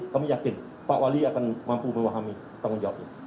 kami yakin pak wali akan mampu memahami tanggung jawabnya